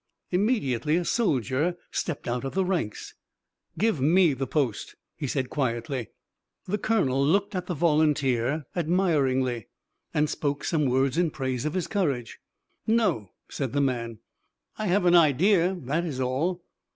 Immediately a soldier stepped out of the ranks. "Give me the post," he said quietly. The colonel looked at the volunteer admiringly, and spoke some words in praise of his courage. "No," said the man; "I have an idea, that is all.